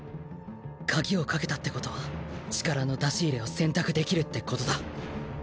鍵を掛けたってことは力の出し入れを選択できるってことだ。